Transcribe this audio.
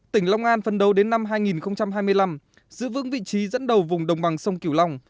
tỉnh long an phân đấu đến năm hai nghìn hai mươi năm giữ vững vị trí dẫn đầu vùng đồng bằng sông kiểu long